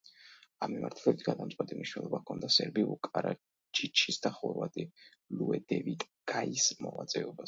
ამ მიმართულებით გადამწყვეტი მნიშვნელობა ჰქონდა სერბი ვუკ კარაჯიჩის და ხორვატი ლიუდევიტ გაის მოღვაწეობას.